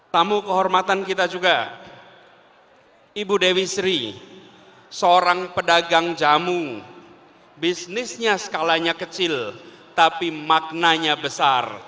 tamu kehormatan kita juga ibu dewi sri seorang pedagang jamu bisnisnya skalanya kecil tapi maknanya besar